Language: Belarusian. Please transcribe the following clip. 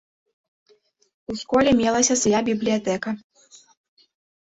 У школе мелася свая бібліятэка.